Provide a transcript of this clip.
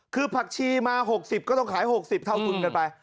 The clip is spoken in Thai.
คือผักชีมา๖๐ก็ต้องขาย๖๐เท่าทุนกันไป